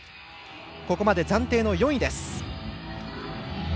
ここまで暫定の４位です。